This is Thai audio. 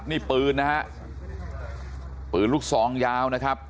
นี่ปืนนะฮะปืนลูกซองยาวนะครับ